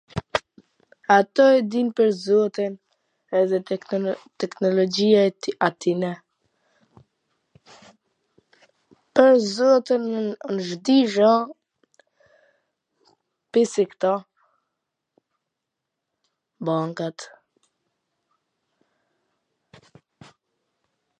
Ato e din pwr zotin edhe teknologji e tyn... teknologjia e atyne, pwr zotin, z di gja, di se kto, bangat,